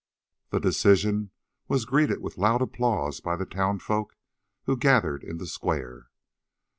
This decision was greeted with loud applause by the town folk, who gathered in the square.